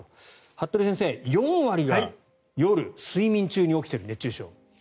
服部先生、４割が夜睡眠中に起きている、熱中症。